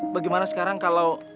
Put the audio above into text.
bagaimana sekarang kalau